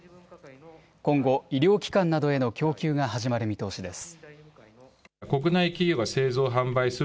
今後、医療機関などへの供給が始まる見通しです。